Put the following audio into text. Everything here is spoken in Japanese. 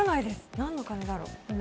何の鐘だろう。